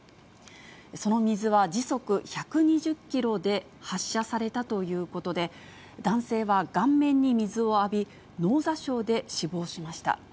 その水は時速１２０キロで発射されたということで、男性は顔面に水を浴び、脳挫傷で死亡しました。